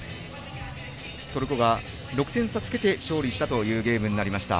トルコが６点差つけて勝利したというゲームになりました。